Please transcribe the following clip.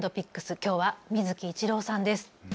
きょうは水木一郎さんです。